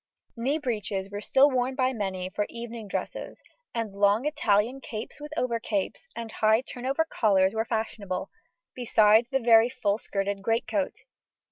Knee breeches were still worn by many for evening dress, and long Italian capes with overcapes and high turn over collars were fashionable, besides the very full skirted greatcoat.